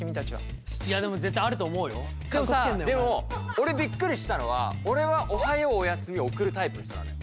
俺びっくりしたのは俺はおはようおやすみを送るタイプの人なのよ。